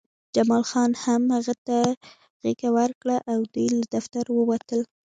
جمال خان هم هغه ته غېږه ورکړه او دوی له دفتر ووتل